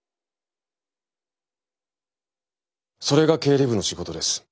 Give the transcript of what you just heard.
それが経理部の仕事です。